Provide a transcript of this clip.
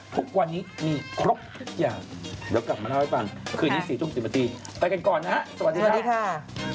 ทุกวันนี้มีครบทุกอย่างเดี๋ยวกลับมาเล่าให้ฟังคืนนี้๔ทุ่ม๑๐นาทีไปกันก่อนนะฮะสวัสดีครับสวัสดีค่ะ